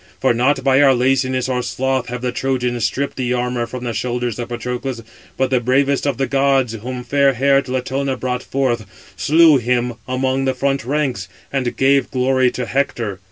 For not by our laziness, or sloth, have the Trojans stripped the armour from the shoulders of Patroclus; but the bravest of the gods, whom fair haired Latona brought forth, slew him among the front ranks, and gave glory to Hector.